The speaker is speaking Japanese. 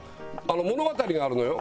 物語があるのよ